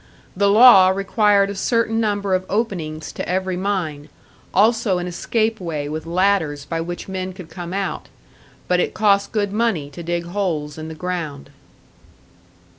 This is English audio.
The law required a certain number of openings to every mine, also an escape way with ladders by which men could come out; but it cost good money to dig holes in the ground.